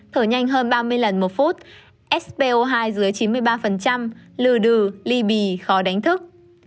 thở nhanh hơn ba mươi lần một phút spo hai dưới chín mươi ba lừa đừ ly bì khó đánh thức